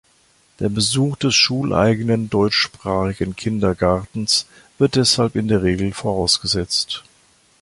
Der Besuch des schuleigenen, deutschsprachigen Kindergartens wird deshalb in der Regel vorausgesetzt.